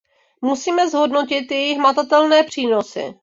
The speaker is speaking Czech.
Musíme zhodnotit její hmatatelné přínosy.